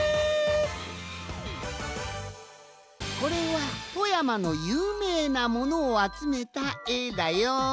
これは富山のゆうめいなものをあつめたえだよん。